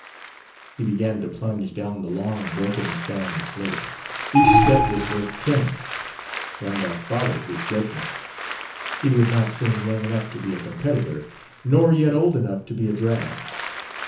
He began to plunge down the long, broken sand slope. Each step was worth ten. Randolph followed with judgment. He would not seem young enough to be a competitor, nor yet old enough to be a drag.